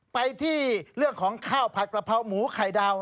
ไปที่เรื่องของข้าวผัดกระเพราหมูไข่ดาว